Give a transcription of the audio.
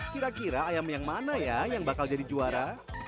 kira kira ayam yang mana ya yang bakal jadi juara